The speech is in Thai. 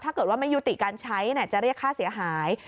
ถ้าเกิดว่าไม่ยุติการใช้จะเรียกค่าเสียหาย